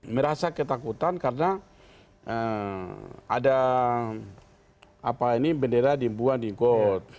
merasa ketakutan karena ada bendera dibuat di kot